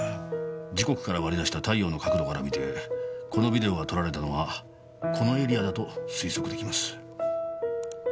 時刻から割り出した太陽の角度から見てこのビデオが撮られたのはこのエリアだと推測できます。